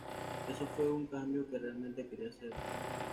Eso fue una cambio que realmente quería hacer.